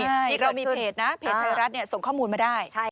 นี่ก็มีเพจนะเพจไทยรัฐส่งข้อมูลมาได้